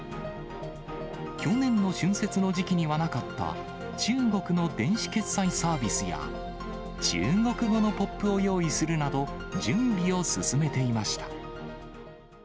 去年の春節の時期にはなかった、中国の電子決済サービスや、中国語のポップを用意するなど、準備を進めていました。